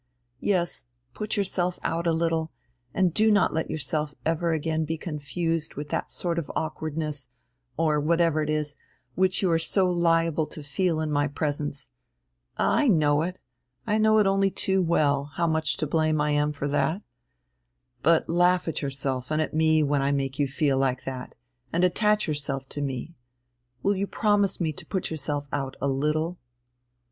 Yes, put yourself out a little, and do not let yourself ever again be confused with that sort of awkwardness, or whatever it is, which you are so liable to feel in my presence. Ah, I know it, I know only too well, how much to blame I am for that! But laugh at yourself and at me when I make you feel like that, and attach yourself to me. Will you promise me to put yourself out a little?"